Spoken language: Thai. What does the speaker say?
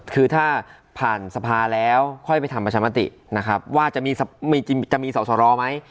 คือถ้าผ่านสภาแล้วค่อยไปทำประชามตินะครับว่าจะมีสอสรไหม